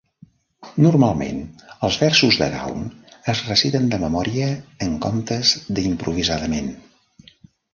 Normalment, els versos de gaun es reciten de memòria en comptes d'improvisadament.